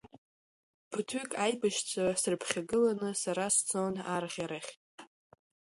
Ԥыҭҩык аибашьцәа сраԥхьагыланы сара сцон арӷьарахь.